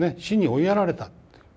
死に追いやられた。